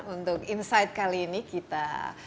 untuk insight kali ini kita